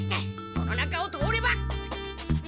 この中を通れば。